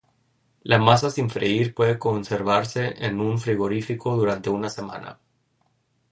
La masa sin freír puede conservarse en un frigorífico durante una semana.